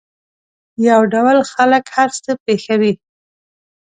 یو ډول خلک هر څه پېښوي.